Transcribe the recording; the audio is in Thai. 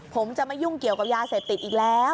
ผมจะไม่ยุ่งเกี่ยวกับยาเสพติดอีกแล้ว